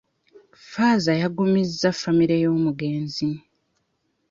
Ffaaza yagumizza famire y'omugenzi.